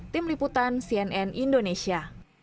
tim liputan cnn indonesia